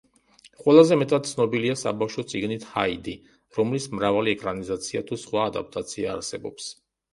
ყველაზე მეტად ცნობილია საბავშვო წიგნით „ჰაიდი“, რომლის მრავალი ეკრანიზაცია თუ სხვა ადაპტაცია არსებობს.